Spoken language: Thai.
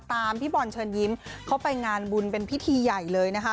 พี่บอลเชิญยิ้มเข้าไปงานบุญเป็นพิธีใหญ่เลยนะคะ